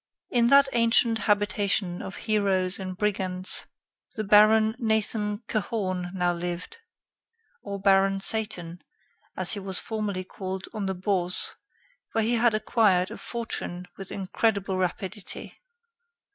In that ancient habitation of heroes and brigands, the Baron Nathan Cahorn now lived; or Baron Satan as he was formerly called on the Bourse, where he had acquired a fortune with incredible rapidity.